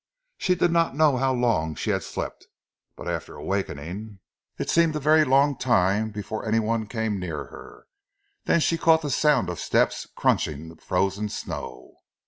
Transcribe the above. She did not know how long she had slept; but after awakening, it seemed a very long time before any one came near her. Then she caught the sound of steps crunching the frozen snow.